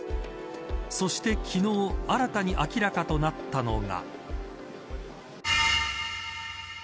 そして昨日新たに明らかとなったのが。